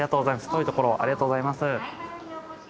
遠いところありがとうございます。